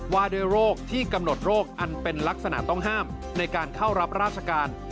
ว่าด้วยโรคที่กำหนดโรคอันเป็นลักษณะต้องห้ามในการเข้ารับราชการ